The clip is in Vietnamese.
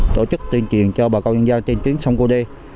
tổ chức tuyên truyền cho bà con nhân dân trên tuyến sông cô đê